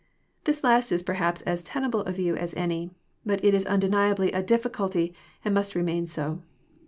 This last is perhaps as tenable a view as any. But it is undeniably a difiaculty, and must remain so.